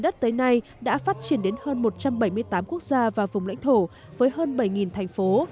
đất tới nay đã phát triển đến hơn một trăm bảy mươi tám quốc gia và vùng lãnh thổ với hơn bảy thành phố